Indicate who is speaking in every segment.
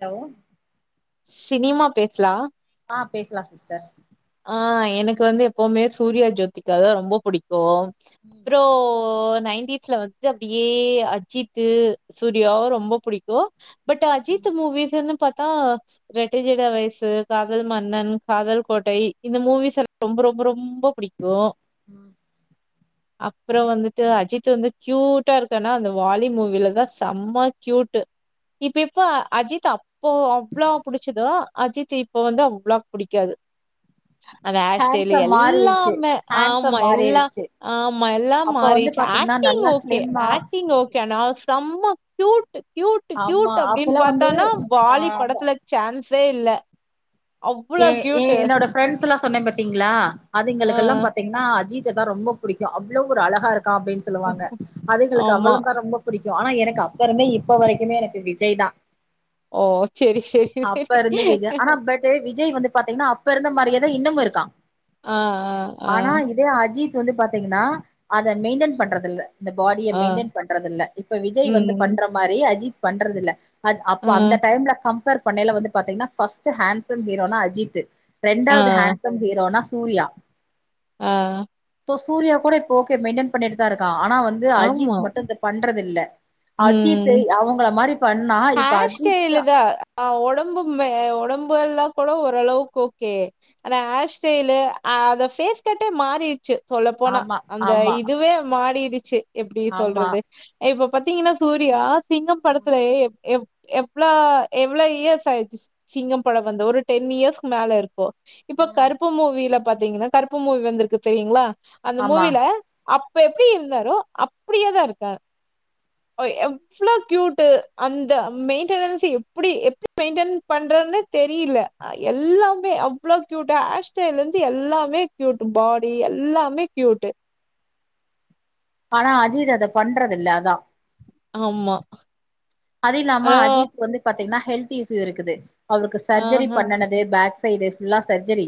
Speaker 1: Hello
Speaker 2: cinema பேஸ்லா
Speaker 1: ஆ பேசலா சிஸ்டர்
Speaker 2: ஆ எனக்கு வந்து எப்பவுமே சூர்யா ஜோதிகா தா ரொம்ப புடிக்கு அப்றொ
Speaker 1: ம்
Speaker 2: இப்போ நைன்டிஸ்ல வந்து அப்டியே அஜித்து சூர்யாவ ரொம்ப புடிக்கு பட்
Speaker 1: ம்
Speaker 2: அஜித்மூவிஸ்னு பத் தா ரெட்டஜடவயசு காதல் மன்னன் காதல் கோட்டை இந்த மூவிஸ்ல்லா ரொம்ப ரொம்ப ரொம்ப புடிக்கு
Speaker 1: ம்
Speaker 2: அப்புற வந்துட்டு அஜித் வந்து கியூட்டா இருக்கன்னா அந்த வாலி மூவிலதா செம்ம கியூட் இப்ப எப்ப அஜித் அப்போ அவ்ளோ புடிச்சதோ அஜித் இப்ப வந்து அவ்ளோ புடிக்காது அந்த ஆர்ஸ்டையிலு
Speaker 1: ஹேண்ட்ஸம் மாறிருச்சு
Speaker 2: எல்லாமே
Speaker 1: ஹேண்ட்ஸம்
Speaker 2: ஆமா எல்லா
Speaker 1: மாறிருச்சு
Speaker 2: ஆமா எல்லா
Speaker 1: அப்ப வந்து
Speaker 2: மாறிச்
Speaker 1: பாத்தீங்கன்னா
Speaker 2: ஆக்டிங்
Speaker 1: நல்லா
Speaker 2: ஓகே
Speaker 1: ஸ்லிம்மா
Speaker 2: ஆக்டிங் ஓகே அனா செம்ம க்யூட் கியூட்
Speaker 1: ஆமா
Speaker 2: கியூட் அப்டினு
Speaker 1: அப்பல்லா வந்து
Speaker 2: பாத்தானா
Speaker 1: ஆ
Speaker 2: வாலி படத்துல சான்ஸே இல்ல அவ்ளோ
Speaker 1: ஏ ஏ
Speaker 2: கியூட்டு.
Speaker 1: என்னோட ஃப்ரெண்ட்ஸ்ஸுல்லா சொன்னே பாத்தீங்களா
Speaker 2: ஆ.
Speaker 1: அதுங்களுக்கெல்லா பாத்தீங் ன்னா அஜித் தா ரொம்ப புடிக்கு அவ்ளோ ஒரு அழகா இருக்கா அப்டின்னு சொல்லுவாங்க அதுங்களுக்கு
Speaker 2: ஆமா.
Speaker 1: அவளு தா ரொம்ப புடிக்கு ஆனா எனக்கு அப்பெருந்தே இப்ப வரைக்குமே எனக்கு விஜய் தா
Speaker 2: ஓ செரி செரி செரி
Speaker 1: செரி விஜய் வந்து பாத்தீங்கன்னா அப்ப இருந்த மாரியே தா இன்னமு இருக்கா
Speaker 2: ஆ ஆ ஆ
Speaker 1: ஆ இதே அஜித் வந்து பாத்தீங்கன்னா அத மெயின்டன் பண்றது இல்ல இந்த பாடிய
Speaker 2: ஆ, ஆ.
Speaker 1: மெயின்டன் பண்றது இல்ல இப்ப விஜய் வந்து
Speaker 2: ம்.
Speaker 1: பண்ற மாரி அஜித் பண்றது இல்ல அத் அப்ப
Speaker 2: ஆ,
Speaker 1: அந்த டைம்ல கம்பேர் பண்ணையல வந்து பாத்தீங்கன்னா ஃபஸ்ட் ஹேண்சம் ஹீரோனா அஜித்து
Speaker 2: ஆ,
Speaker 1: ரெண்டாவ்து ஹேண்சம் ஹீரோனா சூர்யா
Speaker 2: ஆ
Speaker 1: சோ சூர்யா கூட இப்ப ஓகே மெயின்டென் பண்ணிட்டு தா இருக்கா ஆனா வந்து அஜித்
Speaker 2: ஆமா.
Speaker 1: மட்டு இத பண்றதில்ல அஜித்து அவுங்கள மாரி பண்ணா இப்ப
Speaker 2: ஹோர்
Speaker 1: அஜித்
Speaker 2: ஸ்டெயிலு தா அவ ஒடம்பு மே ஒடம்பு எல்லா கூட ஓரளவுக்கு ஓகே ஆனா ஹார் ஸ்டய்லு அத ஃபேஸ் கட்டே மாறிடுச்சு சொல்லப்போனா
Speaker 1: ஆமா
Speaker 2: அந்த
Speaker 1: ஆமா
Speaker 2: இதுவே மாடிடுச்சு எப்டி
Speaker 1: ஆமா
Speaker 2: சொல்றது இப்ப பாத்தீங்கன்னா சூர்யா சிங்கம்
Speaker 1: ம்
Speaker 2: திலே எவ் எவ் எவ்ளோ எவ்ளோ இயர்ஸ்ஸு ஆயிடுச்சு சிங்கம் பட வந்த ஒரு டென் இயர்ஸ்ஸுக்கு மேல இருக்கு இப்ப
Speaker 1: ம்
Speaker 2: கருப்பு மூவில பாத்தீங்கனா கருப்பு மூவி வந்திருக்கு தெரியுங்களா அந்த
Speaker 1: ஆமா
Speaker 2: மூவில அப்ப எப்டி இருந்தாரே அப்டியேதா இருக்கா ஓய் எவ்ளோ க்யூட் டு அந்த மெயின்டெனன்ஸ்ஸு எப்டி எப்டி மெயின்டென் பண்றதுன்னு தெரியில அ எல்லாமே அவ்ளோவு க்யூட் ஹேர் ஸ்டைல் இருந்து எல்லாமே க்யூட்டு பாடி எல்லாமே க்யூட்டு
Speaker 1: ஆனா அஜித் அத பண்றது இல்ல அதா
Speaker 2: ஆமா
Speaker 1: அது இல்லாம
Speaker 2: ஹலோ
Speaker 1: அஜித் வந்து பாத்தீங்கன்னா ஹெல்த் இஸ்சூஸ் இருக்குது அவ்ருக்கு சர்ஜரி
Speaker 2: ஆஹா
Speaker 1: பண்ணுன து பேக் சைடு ஃபுல்லா சர்ஜரி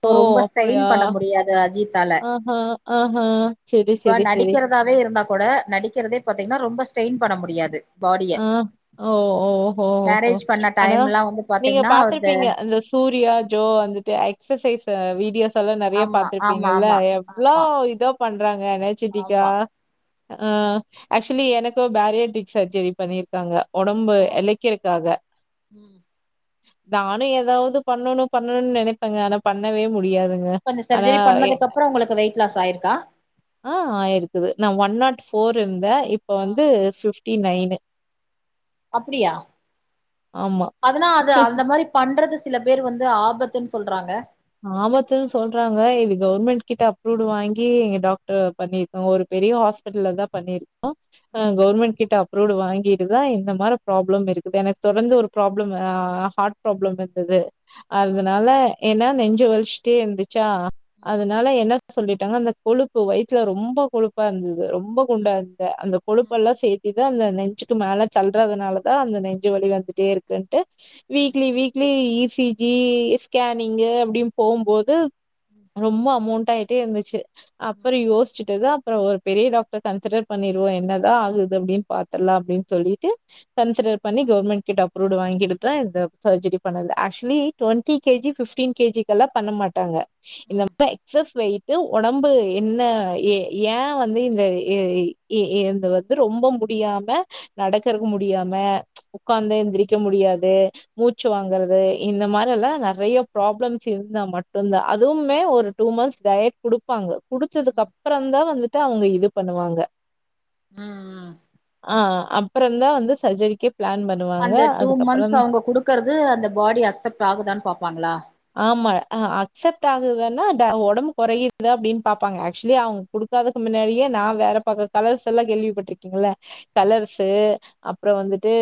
Speaker 1: சோ
Speaker 2: ஓ
Speaker 1: ரொம்ப ஸ்டெயின்
Speaker 2: அப்டியா
Speaker 1: பண்ண முடியாது அஜித்தால
Speaker 2: ஆஹா ஆஹா செரி
Speaker 1: இப்ப
Speaker 2: செரி செரி
Speaker 1: நடிக்கிறது தவே இருந்தா கூட நடிக்கிறதே பாத்திங்கன்னா ரொம்ப ஸ்டெயின் பண்ண முடியாது பாடிய
Speaker 2: ஆ ஓ ஓ ஓ ஓ ஓ ஓ ஓ
Speaker 1: மேரேஜ் பண்ண
Speaker 2: ஆனா
Speaker 1: டைம்லா வந்து
Speaker 2: நீங்க
Speaker 1: பாத்தீங்கன்னா அது
Speaker 2: பாத்துருப்பீங்க அந்த சூர்யா ஜோ வந்துட்டு எக்சசைஸ்ஸு வீடியோஸ் ஸெல்லா நெறய
Speaker 1: ஆமா
Speaker 2: பாத்துருப்பீங்க
Speaker 1: ஆமா ஆமா
Speaker 2: எவ்ளேவு
Speaker 1: ஆமா
Speaker 2: இதோ பண்றாங்க எனர்ஜிடிக்கா
Speaker 1: ஆமா
Speaker 2: ஆ ஆக்சுவலி எனக்கு பேரியடிக் சர்ஜரி பண்ணிருக்காங்க ஒடம்பு
Speaker 1: ம்
Speaker 2: எலைக்கிறக்காக
Speaker 1: ம்
Speaker 2: நானு ஏதாவ்து பண்ணணு பண்ணணுனு நெனைப்பேங்க ஆனா பண்ணவே முடியாதுங்
Speaker 1: இப்ப அந்த சர்ஜரி பண்ணதுக்கு அப்பறோ உங்களுக்கு வெயிட் லாஸ் ஆயிருக்கா
Speaker 2: ஆ ஆயிருக்குது நா ஒன் நாட் ஃபோர் இருந்தே இப்ப வந்து பிப்டி நைனு
Speaker 1: அப்டியா
Speaker 2: ஆமா
Speaker 1: அதனா அது அந்த மாரி பண்ணுறது சில பேர் வந்து ஆபத்துன்னு சொல்றாங்க
Speaker 2: ஆபத்துனு சொல்றாங்க இது கவுர்மெண்டட் கிட்ட அப்ரூவ்ட் வாங்கிங்க எங்க டாக்டர் பண்ணிரு காங்க ஒரு பெரிய ஹாஸ்பிடல்ல தா பண்ணியிருக்கோ ஆ
Speaker 1: ம்
Speaker 2: கவர்மெண்ட் கிட்ட அப்ருடு வாங்கிட்டுதா இந்த மாரி ப்ராப்ளம் இருக்குது எனக்கு தொடந்து ஒரு ப்ராப்ளம் ஆ ஹார்ட் ப்ராப்ளம் இருக்குது
Speaker 1: ம்
Speaker 2: அதனால என்ன நெஞ்சு வலிச்சுட்டே இருந்துச்சா
Speaker 1: ம்
Speaker 2: அதனால என்ன சொல்லிட்டாங்க அந்த கொழுப்பு வயித்துல ரொம்ப கொழுப்பா இருந்துது ரொம் ப குண்டா
Speaker 1: ம்
Speaker 2: இருந்த அந்த கொழுப்பு
Speaker 1: ம்
Speaker 2: எல்லா சேத் இதா அந்த நெஞ்சிக்கு மேல தல்றதுனால தா அந்த நெஞ்சி வலி வந்துட்டே இருக்குன்ட்டு
Speaker 1: ம்
Speaker 2: வீக்லி வீக் லி இ சி ஜி ஸ்கேனிங்கு அப்டியு போம்போது
Speaker 1: ம்
Speaker 2: ரொம்ப அமௌண்ட் ஆயி ட்டே இருந்துச்சி
Speaker 1: ம்
Speaker 2: அப்றோம் யோசிச்சிட்டு தா அப்றோம் ஒரு பெரிய டாக்டர் கன்சிடர் பண்ணிருவோ என்ன தா ஆகுது அப்டின் பாத்துரலா அப்டின் சொல்லிட்டு கன்சிடர் பண்ணி கவுர்மெண்ட் கிட்ட அப்ரூவ்ட் வாங்கிட்டு தா இந்த சர்ஜரி பண்ணது ஆக்சுவலி டொன்ட்டி கேஜி பிஃப்ட்டின் கேஜிக்கெல்லா பண்ண மாட்டாங்க இந்த
Speaker 1: ம்
Speaker 2: மாரி எக்ஸஸ் வெயிட்டு ஒனக் ம்பு என்ன ஏ ஏன் வந்து இந்த ஏ இ ஏ என்ந்து வந்து ரொம்ப முடியாம நடக்கறக்கு முடியாம உக்காந்து எந்திரிக்க முடியாது மூச்சி வாங்கறது இந்த மாரி எல்லா நறையா ப்ராப்ளம் ஸ் இருந்தா மட்டுந்தா அதுவுமே ஒரு டூ மந்த்ஸ் டயட் குடுப்பாங்க
Speaker 1: ம்
Speaker 2: குடுத்ததுக்கப் பறம்தான் வந்துட்டு அவுங்க இது பண்ணுவாங்க
Speaker 1: ம்
Speaker 2: ஆ அப்புறந்தான் வந்து சர்ஜரிக்கே பிளான் பண்
Speaker 1: அந்த டூ மந்த்ஸ் அவுங்க குடுக்கறது அந்த பாடி அக்சப்ட் ஆகுதான் பாப்பாங்களா
Speaker 2: ஆமா ஆ அக்சப்ட் ஆகுலனா டா ஒடம்பு கொறையுதா அப்டின் பாப்பாங்க ஆக்சுவலி அவுங் குடுக்காதக்கு மின்னாடியே நா வேற பாக்க கலர்ஸ் எல்லாம் கேள்விப்பட்டுருக்கீங்க இல்ல கலர்ஸ்ஸு அப்புறம் வந்துட்டு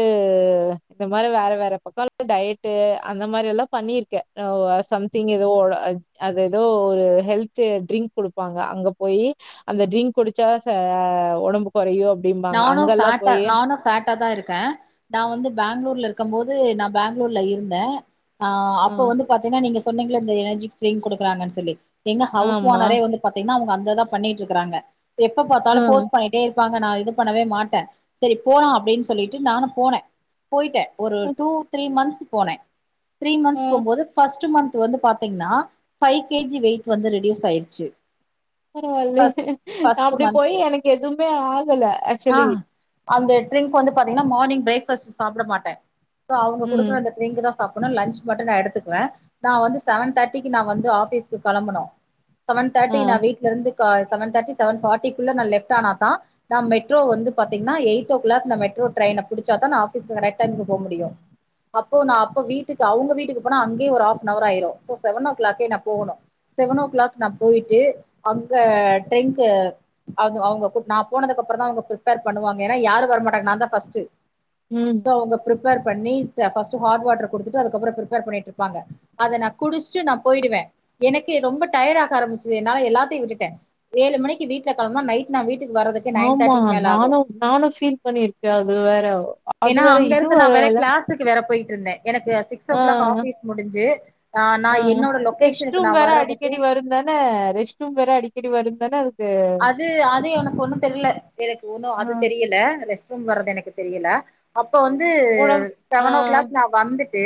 Speaker 2: இந்த மாரி வேற வேற பக்கலா டயட்டு அந்த மாரி எல்லாம் பண்ணிருக்கே டாவோ சம்திங் எதோ ஓழ ஆ அது எதோ ஒரு ஹெல்த்து ட்ரிங்க் குடுப்பாங்க அங்க போயி அந்த ட்ரிங்க் குடிச்சாதா சா ஒடம்பு கொறையும் அப்
Speaker 1: நானும் ஃபேட்டா நானு ஃபேட்டாதா இருக்கே நா வந்து பேங்களூர்ல இருக்கமோது நா பேங்களூர்ல இருந்தன் ஆ அப்ப வந்து பாத்தீன்னா நீங்க சொன்னீங்க இல்ல இந்த எனர்ஜி டரிங்க் குடுக்குறாங்கன் சொல்லி எங்க ஹவுஸ்
Speaker 2: ஆமா.
Speaker 1: ஓனரே வந்து பாத்தீங்கன்னா அவுங்க அந்த இதா பண்ணிட்டு இருக்கறாங்க எப்ப பாத்தாலு போர்ஸ் பண்ணிட்டே இருப்பாங்க நா இது பண்ணவே மாட்டன் செரி போலா அப்டின் சொல்லிட்டு நானும் போன போயிட்டேன் ஒரு டூ த்ரீ மந்த்ஸ் போன த்ரீ மந்த்ஸ்
Speaker 2: ஆ.
Speaker 1: போம்போது ஃபர்ஸ்ட்டு மந்த் வந்து பாத்தீங்ன்னா ஃபைவ் கேஜி வெயிட் வந்து ரெடியூஸ் ஆயிருச்சி
Speaker 2: பரவாயில்ல நா அப்டி போயி
Speaker 1: மந்த்து
Speaker 2: எனக்கு எதுவுமே ஆகல
Speaker 1: ஆ
Speaker 2: ஆக்சுவலி.
Speaker 1: அந்த ட்ரிங்க் வந்து பாத்தீங்கன்னா மார்னிங் பிரேக்பஸ்ட்டு சாப்ட மாட்டன் சோ அவுங்க
Speaker 2: ம்.
Speaker 1: குடுக்கற அந்த டிரிங்கு தா சாப்பணும் லன்ச் மட்டும் நான் எடுத்துக்குவன் நா வந்து செவன் தாட்டிக்கு நா வந்து ஆபிஸ்க்கு கெளம்புனு செவன்
Speaker 2: ஆ.
Speaker 1: தாட்டி நா வீட்ல இருந்து கால் செவன் தாட்டி செவன் பாட்டிக்குள்ள நா லெப்ட் ஆனாதா நாம்ம மெட்ரோ வந்து பாத்தீங்கினா எயிட் ஓ கிளாக் நா மெட்ரோ டிரைன புடிச்சாதா நா ஆபஸ்கு கரைக்ட் டைமுக்கு போ முடியும் அப்போ நா அப்ப வீட்டுக்கு அவுங்க வீட்டுக்கு போனா அங்கே ஒரு ஹாஃப் நவர் ஆயிரும் சோ செவன் ஓ கிளாக்கே நா போகணும் செவன் ஓ கிளாக் நா போயிட்டு அங்க டிரயின்க்கு அதும் அவுங்க குட் நா போனதுக்கப்புறம் தா அவுங்க பிர்ப்பேர் பண்ணுவாங்க ஏனா யாரும் வர மாட்டாங்க நாந்தா ஃப்ஸ்ட்டு
Speaker 2: ம்
Speaker 1: சோ அவுங்க பிர்ப்பேர் பண்ணிட்டு பஸ்ட்டு ஹாட் வாட்டர் குடுத்துட்டு அதுக்கப்பற பிரிப்பேர் பண்ணிட்டு இருப்பாங்க அத நா குடிச்ட்டு நா போயிடுவேன் எனக்கு ரொம்ப டயட் ஆக ஆரம்பிச்சது என்னால எல்லாத்தையும் விட்டுட்டன் ஏழு மணிக்கு வீட்ல கெளம்னா நைட் நா வீட்டுக்கு வரது
Speaker 2: ஆமா நானும் நானும் ஃபீல் பண்ணிருக்கன் அது வேற அது வேற இது வரல
Speaker 1: காசுக்கு வேற போயிட்டு இருந்த எனக்கு சிக் ஸ் ஓ
Speaker 2: ஆ,
Speaker 1: கிளாக் ஆஃபீஸ் முடிஞ்சி ஆ நா என்னோட லொக்கேஷனுக்கு நா வறதுக்கு
Speaker 2: என்ன ரெஸ்ட் ரூம் வேற அடிக்கடி வருந்தான அது
Speaker 1: அது அது எனக்கு ஒண்ணும் தெர்ல எனக்கு ஒன்னும்
Speaker 2: ஆ.
Speaker 1: அது தெரியில கும் வறது எனக்கு தெரியில அப்போ வந்து
Speaker 2: உடம் ஆ.
Speaker 1: செவன் ஓ கிளாக் நா வந்துட்டு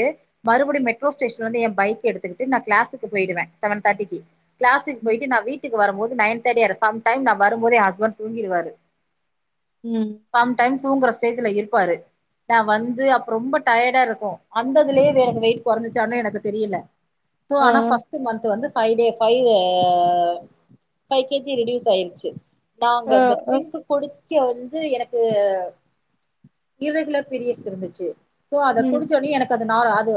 Speaker 1: மறுபடியு மெட்ரே ஸ்டேஷன் வந்து என் பைக் எடுத்துக்கிட்டு நா கிளாஸக்கு பேய்டுவே செவன் தேர்ட்டிக்கி கிளாஸ்க்
Speaker 2: ம்.
Speaker 1: போயிட்டு நா வீட்டுக்கு வரம்போது நயன் தேர்டி ஆயிடு சம்டைம் நா வரும்போது என் ஹஸ்பண்ட் தூங்கிடுவாரு
Speaker 2: ம்
Speaker 1: சம் டைம் தூங்குற ஸ்டேஜ்ல இருப்பாரு நா வந்து அப்ப ரொம்ப டயர்டா இருக்கு அந்ததுலே எனக்கு வெயிட் கொறஞ்சுச்சான்னு எனக்கு தெரில இப்போ
Speaker 2: ஆ.
Speaker 1: ஆனா ஃப்ஸ்ட்டு மந்த்து வந்து five day five five K G reduce ஆயிர்ச்சு நாங்க
Speaker 2: அ,
Speaker 1: அந்த
Speaker 2: அ.
Speaker 1: ட்ரிங்க்கு குடிக்க வந்து எனக்கு இர்ரெகுலர் பீரியட்ஸ் இருந்துச்சு சோ அத
Speaker 2: ம்.
Speaker 1: குடிச்சோன்னே எனக் னார் அது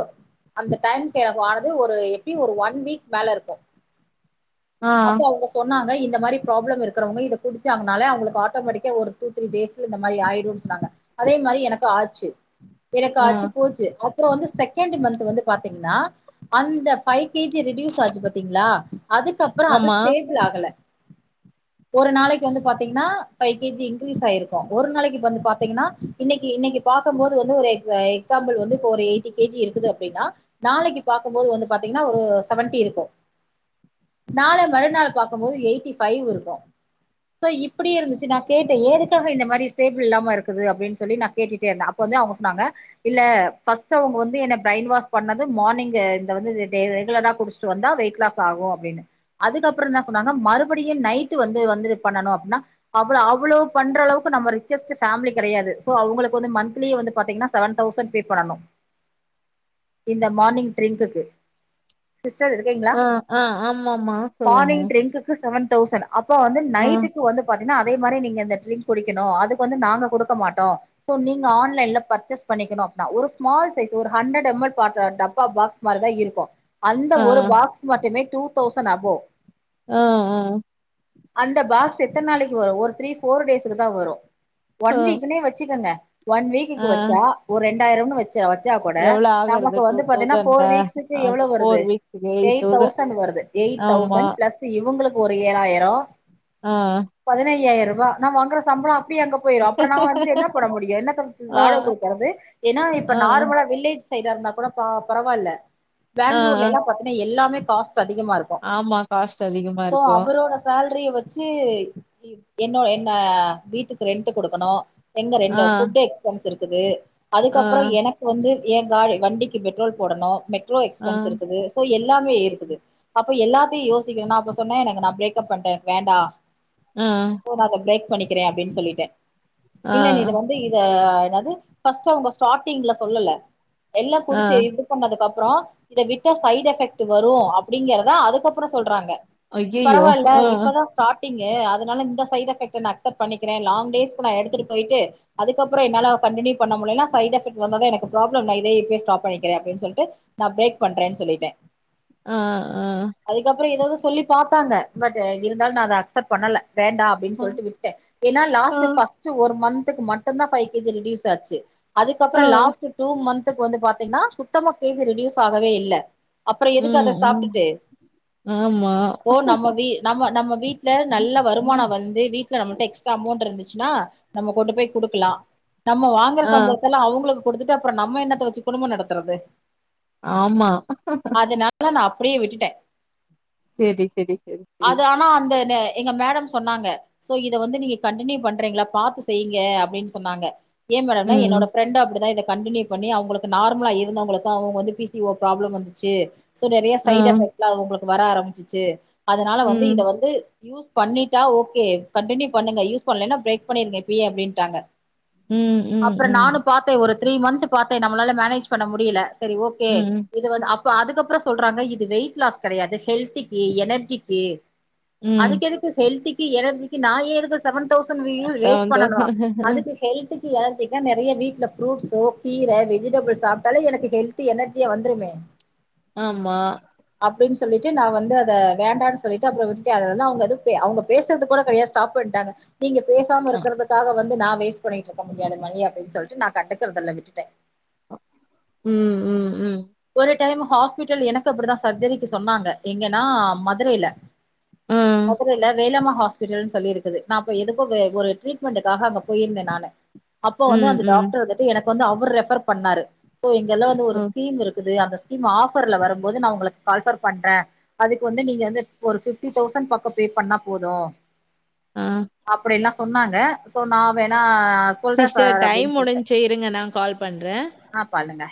Speaker 1: அந்த டைம்க்கு எனக்கு ஆனது ஒரு எப்டி ஒரு ஒன் வீக் மேல இருக்கு
Speaker 2: ஆ.
Speaker 1: அப்போ அவுங்க சொன்னாங்க இ இந்த மாரி ப்ராப்ளம் இருக்றவுங்க இத குடிச்சாங்னாலே அவுங்களுக்கு ஆட்டோமேட்டிக்கா ஒரு டூ த்ரி டேஸ்சு இந்த மாரி ஆய்டுன் சொன்னாங்க அதே மாரி எனக்கு ஆச்சு எனக்கு
Speaker 2: ஆ.
Speaker 1: ஆச்சு போச்சு அப்புறோ வந்து செகண்ட் மந்த்து வந்து பாத்தீங்கன்னா அந்த ஃபைவ் கேஜி ரெடியூஸ் ஆச்சு பாத்தீங்ளா அதுக்கப்புறோ அது
Speaker 2: ஆமா.
Speaker 1: ஸ்டேபிள் ஆகல ஒரு நாளைக்கு வந்து பாத்தீங்ன்னா ஃபைவ் கேஜி இன்க்ரீஸ் ஆயிருக்கோ ஒரு நாளைக்கு வந்து பாத்தீங்ன்னா இன்னைக்கி இன்னைக்கி பாக்கும் போது வந்து ஒரு எக்ஸ் எக்ஸாம்பிள் வந்து இப்ப ஒரு எயிட்டி கேஜி இருக்குது அப்டின்னா நாளைக்கு பாக்கும்போது வந்து பாத்தீங்னா ஒரு செவன்டி இருக்கு நாள மறுநாள் பாக்கும்போது எயிட்டி ஃபைவ் இருக்கு சோ இப்டி இருந்துச்சு நா கேட்டே ஏதுக்காக இந்த மாரி ஸ்டேபிள் இல்லாம இருக்குது அப்டின் சொல்லி ந கேட்டுட்டே இருந்த அப்ப வந்து அவுங்க சொன்னாங்க இல்ல ஃபஸ்ட்டு அவுங்க வந்து என்ன பிரைன் வாஷ் பண்ணது மார்னிங் இந்த வந்து ரெகுலரா குடிச் சிட்டு வந்தா வெயிட் லாஸ் ஆகு அப்டின்னு அதுக்கப்புறோ என்ன சொன்னாங்க மறுப் படியு நைட் வந்து வந்து பண்ணனு அப்னா அவ்ளோ அவ்ளோ பண்ற அளவுக்கு நம் ரிச்சஸ்ட்டு ஃபேமிலி கெடையாது சோ அவுங்களுக்கு வந்து மந்த்லி வந்து பாத்தீங்ன்னா செவன் தௌசண்ட் பே பண்ணணு இந்த மார்னிங் ட்ரிங்க்குக்கு சிஸ்டர் இருக்கீங்ளா
Speaker 2: ஆ, ஆ. ஆமாமா. சொல்லுங்க.
Speaker 1: மார்னிங் ட்ரிங்க்கு செவன் தௌசண்ட் அப்ப வந்து
Speaker 2: ஆ.
Speaker 1: நைட்டுக்கு வந்து பாத் தீங்னா அதே மாரி நீங்க இந்த ட்ரிங்க் குடிக்கணு அதுக்கு வந்து நாங்க குடுக்க மாட்டோ சோ நீங்க ஆன்லைன்ல பர்ச்சேஸ் பண்ணிக்கணு அப்னா ஒரு ஸ்மால் சைஸ் ஒரு ஹண்ட்ரட் எம் எல் பாட்ட டப்பா பாக்ஸ் மார்தா இருக்கோ அந்த
Speaker 2: ஆ.
Speaker 1: ஒரு பாக்ஸ் மட்டுமே டூ தௌசண் அபோ
Speaker 2: ஆ ஆ
Speaker 1: அந்த பாக்ஸ் எத்தன் நாளைக்கி வரோ ஒரு த்ரீ ஃபோர் டேஸ்கக்கு தா வரு ஒன்
Speaker 2: ஆ.
Speaker 1: வீக்குனே வச்சுக்கங்க ஒன் வீக்குக்கு
Speaker 2: ஆ.
Speaker 1: வச்சா ஒரு ரெண்டாயிரம்னு வச் சா வச்சா கூட
Speaker 2: எவ்ளோ ஆகுறது
Speaker 1: நமக்கு
Speaker 2: டூ
Speaker 1: வந்து பாத்தீனா வந்து
Speaker 2: தௌசண்ட்
Speaker 1: ஃபோர் வீக்ஸ்கு எவ்ளோ
Speaker 2: ஆமா
Speaker 1: வருது
Speaker 2: ஃபோர் வீக்ஸ்க்கு எயிட்
Speaker 1: எய்ட்
Speaker 2: தௌசண்ட்
Speaker 1: தௌசண் வருது எயிட்
Speaker 2: ஆமா
Speaker 1: தௌசண் ப்ளஸ்சு இவுங்களுக்கு ஒரு ஏழாயிரோ
Speaker 2: ஆ
Speaker 1: பதினையாயிர ரூபா நா வாங்கற சம்ப்ளோ அப்டியே அங்க போய்ரோ அப்புறோ நா வந்து என்ன பண்ண முடியு என்னத்த வச்சு
Speaker 2: ஆ
Speaker 1: வாடவ் குடுக்கறது ஏன்னா இப்ப
Speaker 2: ஆ
Speaker 1: நார்மலா வில்லேஜ் சைடா இருந்தா கூட ப பரவாயில்ல
Speaker 2: ஆ
Speaker 1: பெங்களூர்ல எல்லா பாத்தினா எல்லாமே காஸ்ட் அதிகமா இருக்கோ
Speaker 2: ஆமா காஸ்ட் அதிகம்
Speaker 1: சோ அவரோட சேல்ரிய வச் சி என்னோ என்ன வீட்டுக்கு ரெண்ட்டு குடுக்கணு எங்க
Speaker 2: ஆ
Speaker 1: ரெண்டு ஃபுட்டு எக்ஸ்பனஸ் இருக்குது
Speaker 2: ஆ
Speaker 1: அதுக்கப்புறோ எனக்கு வந்து என் காரு வண்டிக்கி பெட்ரோல் போடனு மெட்ரோ
Speaker 2: ஆ
Speaker 1: எக்ஸ்பென்ஸ் இருக்குது சோ எல்லாமே இருக்குது அப்ப எல்லாத்தியு யோசிகனு நா அப்ப சொ சொன்னா எனக்கு நா பிரெக் அப் பண்டே வேண்டா
Speaker 2: ஆ
Speaker 1: சோ நா அத ப்ரேக் அப் பண்ணிக்கிறே அப்படின் சொல்லிட்டே
Speaker 2: ஆ
Speaker 1: இல்ல நீ இது வந்து இத என்னது பஸ்ட் அவங்க ஸ்டாடிங்ல சொல்லல எல்லா
Speaker 2: ஆ
Speaker 1: குடிச்ச இது பண்ணதுக்கு அப்புறோ இத விட்டா சைட் எஃபெக்ட் வரு அப்டிங்கறத அதுக்கப்புறோ சொல்றாங்க
Speaker 2: ஐயையோ
Speaker 1: பரவாயில்ல
Speaker 2: ஆ
Speaker 1: இப்பதா ஸ்டார்ட் டிங்கு அதனால இந்த சைட் எஃபக்ட் நா அக்சப்ட் பண்ணிக்கிறே லாங் டேஸ் நா எடுத்துட்டு போயிட்டு அதுக்கப்புறோ என்னால கண்டினியூ பண்ண முடியலன்னா சைட் எஃபக்ட் வந்தா எனக்கு ப்ராளம் நா இதே இப்பய ஸ்டாப் பண்ணிக்றே அப்டினு சொல்லிட்டு நா பிரேக் பண்றேன்னு சொல்லிட்டே
Speaker 2: ஆ ஆ
Speaker 1: அதுக்கப்புறோ எதாவது சொல்லி பாத்தாங்க பட் இருந்தாலு நா அத அக்செப்ட் பண்ணல வேண்டா அப்டின்னு
Speaker 2: ஆ
Speaker 1: சொல்லிட்டு விட்டே ஏன்னா
Speaker 2: ஆ
Speaker 1: லாஸ்ட் ஃபஸ்ட் ஒரு மந்த்துக்கு மட்டும்தா ஃபை கேஜி ரெட்யூஸ் ஆச்சு அதுக்கப்புற
Speaker 2: ஆ
Speaker 1: லாஸ்ட் டூ மன்ந்துக்கு வந்து பாத்தீங்கன்னா சுத்தமா கே ஜி ரெடியூஸ் ஆகவே இல்ல அப்புற எதுக்கு
Speaker 2: ம்
Speaker 1: அத
Speaker 2: ம்
Speaker 1: சாப்ட்டுட்டு
Speaker 2: ஆமா
Speaker 1: இப்போ நம்ம வீ நம்ம நம்ம வீட்ல நல்ல வருமானம் வந்து வீட்ல நம்மட்ட எக்ஸ் அமௌண்ட் இருந்துச்சுன்னா நம்ம கொண்டு போய் குடுக்கலா நம்ம வாங்கற
Speaker 2: ஆ
Speaker 1: சம்பளத்தல்லா அவங்களுக்கு கொடுத்துட்டு அப்புற நம்ம என்னத்த வச்சு குடும்பம் நடத்துறது
Speaker 2: ஆமா
Speaker 1: அதனால நா அப்டியே விட்டுட்டே
Speaker 2: சேரி சேரி சேரி
Speaker 1: அது ஆனா அந்த லே எங்க மேடம் சொன்னாங்க சோ இத வந்து நீங்க கண்டினியூ பண்றீங்களா பாத்து செய்யுங்க அப்டின்னு சொன்னாங்க ஏ மேடம்ன்னா
Speaker 2: ம்
Speaker 1: என்னோட ஃப்ரண்ட்டு அப்டிதா இத கண்டினியூ பண்ணி அவங்களுக்கு நார்மலா இருந்தவர்களுக்கு பி சி ஓ ப்ராப்ளம் வந்துச்சு சோ நறைய
Speaker 2: ஆ
Speaker 1: சைட் எஃபெக்ட்லா அது உங்களுக்கு வர ஆரம்பிச்சிச்சு அதனால வந்து இத
Speaker 2: ம்
Speaker 1: வந்து யூஸ் பண்ணிட்டா ஓகே கண்டினியூ பண்ணுங்க யூஸ் பண்ணலன்னா பிரேக் பண்ணிருங்க இப்பயே அப்டின்டாங்க
Speaker 2: ம் ம்
Speaker 1: அப்புற நானு
Speaker 2: ம்
Speaker 1: பாத்தே ஒரு த்ரீ மந்த் பாத்தே நம்மளால மேனேஜ் பண்ண முடியல சரி ஓகே
Speaker 2: ம்
Speaker 1: இது வந்து இப்ப அதுக்கப்புற சொல்றாங்க இது வெயிட் லாஸ் கெடையாது ஹெல்திக்கு எனர்ஜிக்கு
Speaker 2: ம்
Speaker 1: அதுக்கு எதுக்கு ஹெல்திக்கு எனர்ஜிக்கு நா ஏ எதுக்கு செவன் தௌசண்ட்வியூ வேஸ்ட்
Speaker 2: செவன்
Speaker 1: பண்ணனு
Speaker 2: தௌசண்ட்
Speaker 1: அதுக்கு ஹெல்த்துக்கு எனர்ஜிக்கா நறைய வீட்ல ஃப்ரூட்ஸோ கீர வெஜிடபிள் சாப்பிட்டாலும் எனக்கு ஹெல்த்து எனர்ஜியா வந்துடுமே
Speaker 2: ஆமா
Speaker 1: அப்டின் சொல்லிட்டு நா வந்து அத வேண்டான்னு சொல்லிட்டு அப்பற விட்டே அதிலருந்து தான் அவங்க பேசு அவங்க பேசுறது கூட கெடையாது ஸ்டாப் பண்ணிட்டாங்க நீங்க பேசாம
Speaker 2: அ
Speaker 1: இருக்கிறதுக்காக வந்து நா வேஸ்ட் பண்ணிட்டு இருக்க முடியாது மணி அப்படின்னு சொல்லிட்டு நா கண்டுக்கறதல்ல விட்டுட்டே
Speaker 2: ம் ம் ம்
Speaker 1: ஒரு டைம் ஹாஸ்பிட்டல் எனக்கு அப்டிதா சர்ஜரின் சொன்னாங்க எங்கன்னா மதுரையில
Speaker 2: ஆ
Speaker 1: மதுரையில்ல வேலம்மா ஹாஸ் பிடல்ன்னு சொல்லிருக்கு நான்ப்ப எதுக்கோ ஒரு ட்ரீட்மெண்டக்காக அங்க போயிருந்தே நானு அப்போ வந்து
Speaker 2: ம்
Speaker 1: அந்த
Speaker 2: ம்
Speaker 1: டாக்டர் வந்துட்டு எனக்கு வந்து அவர் ரெஃபர் பண்ணாரு இங்கல்லாம் ஒரு
Speaker 2: ஓ
Speaker 1: ஸ்கீம் இருக்கு அந்த ஸ்கீம் ஆஃபர்ல வரும்போது நா உங்களுக்கு கால்பர் பண்றே அதுக்கு வந்து நீங்க வந்து ஒரு பிஃப்டி தௌசண்ட் பக்கொ பே பண்ணா போதும்
Speaker 2: ஆ
Speaker 1: அப்டியெல்லாம் சொன்னாங்க சோ நா வேணா சொல்றே
Speaker 2: சிஸ்டர்
Speaker 1: சார்
Speaker 2: டைம்
Speaker 1: அப்படின்னு சொல்லிட்டே
Speaker 2: முடிஞ்சி இருங்க நா கால் பண்றே
Speaker 1: ஆ பண்ணுங்க